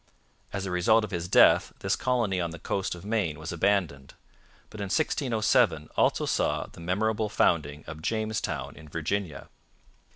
As a result of his death this colony on the coast of Maine was abandoned, but 1607 also saw the memorable founding of Jamestown in Virginia.